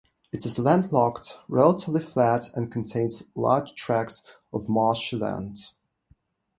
It is landlocked, relatively flat, and contains large tracts of marshy land.